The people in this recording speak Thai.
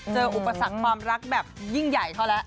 อุปสรรคความรักแบบยิ่งใหญ่เท่าแล้ว